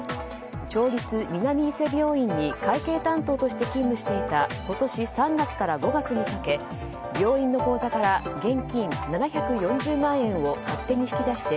町立南伊勢病院に会計担当として勤務していた今年３月から５月にかけ病院の口座から現金７４０万円を勝手に引き出して